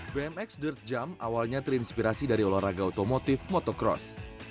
bmx derd jump awalnya terinspirasi dari olahraga otomotif motocross